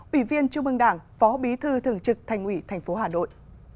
ủy viên trung ương đảng phó bí thư thường trực thành ủy thành phố hà nội